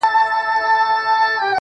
له هر ځایه یې مړۍ په خوله کوله-